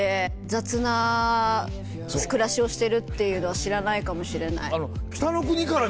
雑な暮らしをしてるっていうのは知らないかもしれない。